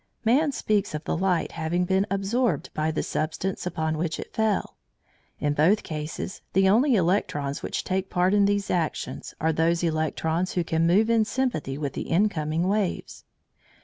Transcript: Man speaks of the light having been absorbed by the substance upon which it fell. In both cases the only electrons which take part in these actions are those electrons who can move in sympathy with the incoming waves.